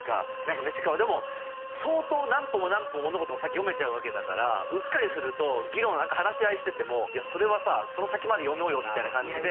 でも相当何歩も何歩も物事の先読めちゃうわけだからうっかりすると議論話し合いしてても「いやそれはさその先まで読もうよ」みたいな感じで。